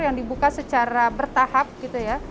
yang dibuka secara bertahap gitu ya